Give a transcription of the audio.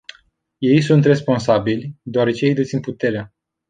Ei sunt responsabili, deoarece ei dețin puterea.